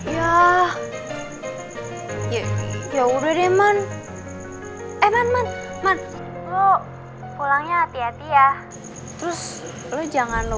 yaudah kalau gitu gue nyusul ya man ke sana